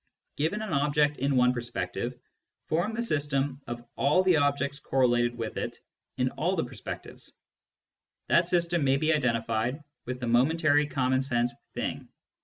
Given an object in one perspective, form the system of all the objects correlated with it in all the perspectives ; that system may be identified with the momentary common sense "thing."